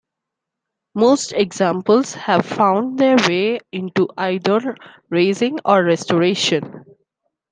Most examples have found their way into either racing or restoration.